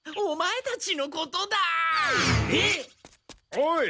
おい！